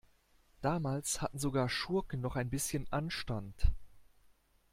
Damals hatten sogar Schurken noch ein bisschen Anstand.